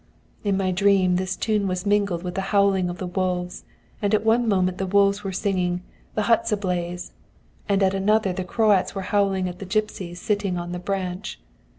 In my dream this tune was mingled with the howling of the wolves, and at one moment the wolves were singing, 'The hut's ablaze,' and at another the Croats were howling at the gipsies sitting on the branch.